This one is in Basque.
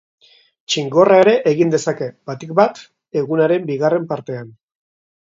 Txingorra ere egin dezake, batik bat egunaren bigarren partean.